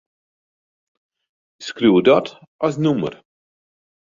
Skriuw dat as nûmer.